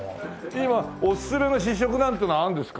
今おすすめの試食なんていうのはあるんですか？